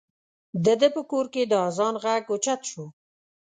د ده په کور کې د اذان غږ اوچت شو.